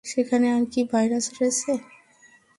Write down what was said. সেখানে আর কী ভাইরাস রয়েছে?